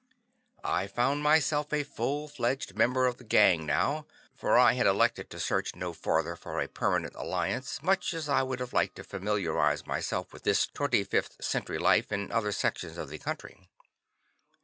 I found myself a full fledged member of the Gang now, for I had elected to search no farther for a permanent alliance, much as I would have liked to familiarize myself with this 25th Century life in other sections of the country.